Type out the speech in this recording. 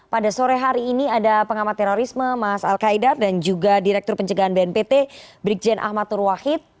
pada sore hari ini ada pengamat terorisme mas al qaidar dan juga direktur pencegahan bnpt brigjen ahmad turwahid